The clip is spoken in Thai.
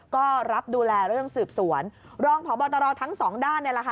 ก็รับดูแลเรื่องสืบสวนรองพบตรทั้งสองด้านเนี่ยแหละค่ะ